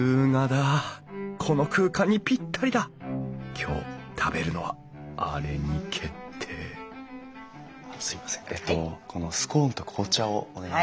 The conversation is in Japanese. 今日食べるのはあれに決定あっすいませんえっとこのスコーンと紅茶をお願いします。